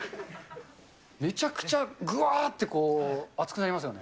めちゃくちゃぐわーって、こう熱くなりますよね。